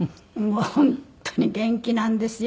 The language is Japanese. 本当に元気なんですよ